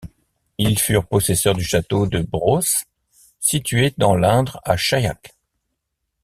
Ils furent possesseurs du château de Brosse, situé dans l'Indre à Chaillac.